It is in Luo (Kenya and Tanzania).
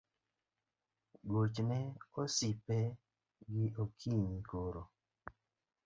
Gochne osipe gi okonyi koro